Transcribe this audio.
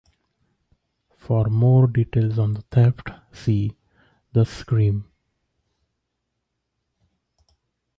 For more details on the theft see "The Scream".